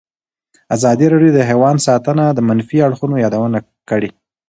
ازادي راډیو د حیوان ساتنه د منفي اړخونو یادونه کړې.